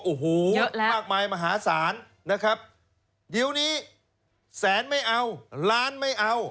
โอ้โหเยอะแล้วมากมายมหาศาลนะครับยิวนี้แสนไม่เอาล้านไม่เอา